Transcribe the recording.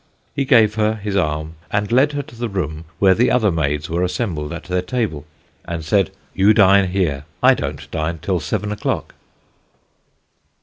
He gave her his arm, and led her to the room where the other maids were assembled at their table, and said: 'You dine here, I don't dine till seven o'clock.'"